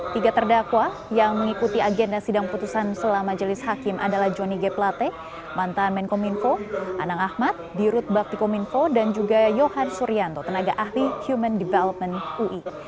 tiga terdakwa yang mengikuti agenda sidang putusan selama jelis hakim adalah johnny g plate mantan menkominfo anang ahmad dirut bakti kominfo dan juga yohan suryanto tenaga ahli human development ui